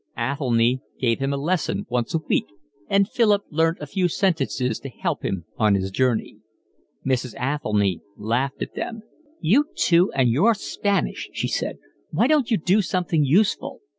Athelny gave him a lesson once a week, and Philip learned a few sentences to help him on his journey. Mrs. Athelny laughed at them. "You two and your Spanish!" she said. "Why don't you do something useful?"